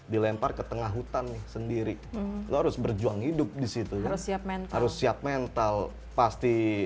dilempar ke tengah hutan nih sendiri lo harus berjuang hidup disitu ya siap men harus siap mental pasti